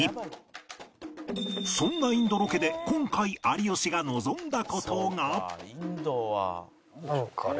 そんなインドロケで今回有吉が望んだ事がなんかね。